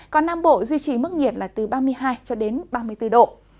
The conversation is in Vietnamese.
còn nam bộ duy trì mức nhiệt là từ ba mươi hai cho đến ba mươi bốn độ